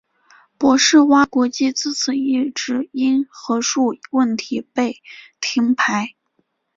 博士蛙国际自此一直因核数问题被停牌。